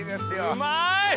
うまい！